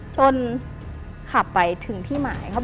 จนขับไปถึงที่หมาย